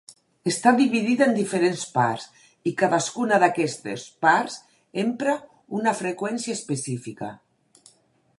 Està dividida en diferents parts i cadascuna d'aquestes parts empra una freqüència específica.